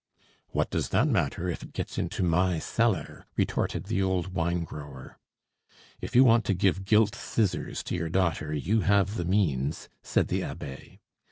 "What does that matter if it gets into my cellar?" retorted the old wine grower. "If you want to give gilt scissors to your daughter, you have the means," said the abbe.